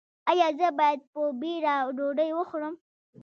ایا زه باید په بیړه ډوډۍ وخورم؟